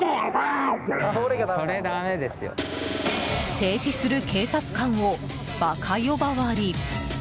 制止する警察官を馬鹿呼ばわり。